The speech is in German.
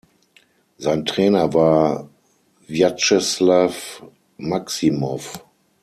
Sein Trainer war Wjatscheslaw Maximow.